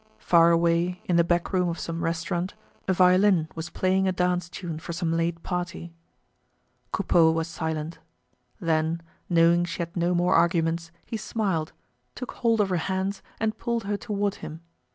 Far away, in the back room of some restaurant, a violin was playing a dance tune for some late party. Coupeau was silent. Then, knowing she had no more arguments, he smiled, took hold of her hands and pulled her toward him.